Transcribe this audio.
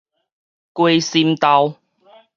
雞心豆